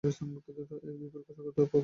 এ দ্বীপটির কৌশলগত গুরুত্ব অপরিসীম।